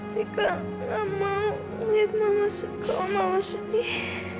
tika enggak mau lihat mama sedih kalau mama sedih